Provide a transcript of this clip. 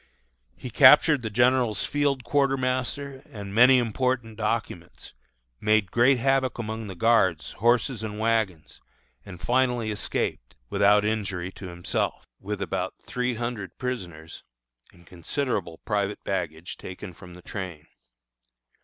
He captured the general's field quartermaster and many important documents, made great havoc among the guards, horses, and wagons, and finally escaped, without injury to himself, with about three hundred prisoners, and considerable private baggage taken from the train.